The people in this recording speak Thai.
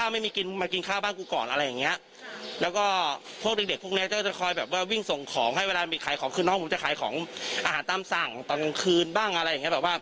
ให้เกิดข้าวเมื่อกี้ก็มากินข้าวบ้านกันก่อนอะไรอย่างเงี้ย